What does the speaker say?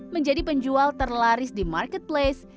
menjadi penjual terlaris di marketplace